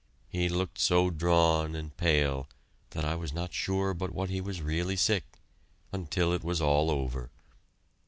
He looked so drawn and pale that I was not sure but what he was really sick, until it was all over.